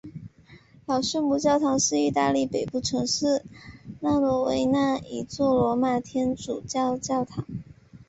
老圣母教堂是意大利北部城市维罗纳的一座罗马天主教教堂。